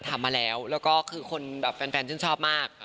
ทำมาแล้วก็ถึงคนแบบแฟนชื่นชอบมาก